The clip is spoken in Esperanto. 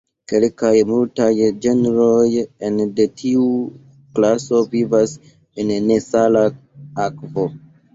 Kelkaj malmultaj genroj ene de tiu klaso vivas en nesala akvo.